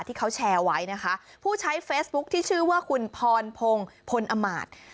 ที่เขาแชร์ไว้นะคะผู้ใช้เฟซบุ๊คที่ชื่อว่าคุณพรพงศ์พลอมาตย์